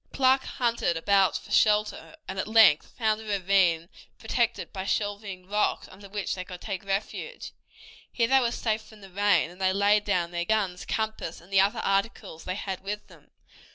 Clark hunted about for shelter, and at length found a ravine protected by shelving rocks under which they could take refuge. Here they were safe from the rain, and they laid down their guns, compass, and the other articles they had with them.